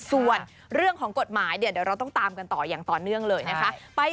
ส่วนเรื่องของกฎหมายเดี๋ยวเราต้องตามกันต่ออย่างต่อเนื่องเลยนะคะ